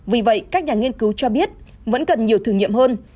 vì vậy các nhà nghiên cứu cho biết vẫn cần nhiều thử nghiệm hơn